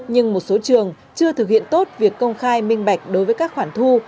nhưng một số trường chưa thực hiện tốt việc công khai minh bạch đối với các khoản thu